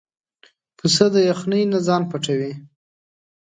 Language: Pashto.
پسه د یخنۍ نه ځان پټوي.